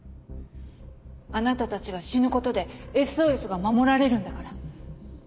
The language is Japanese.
あなたたちが死ぬことで「ＳＯＳ」が守られるんだから。